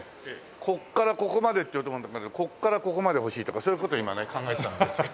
ここからここまでって言おうと思ったけどここからここまで欲しいとかそういう事今ね考えてたんですけど。